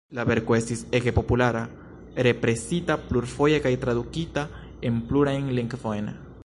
La verko estis ege populara--represita plurfoje kaj tradukita en plurajn lingvojn.